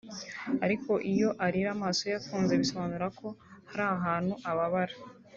ariko iyo arira amaso ye afunze bisobanura ko hari ahantu ababara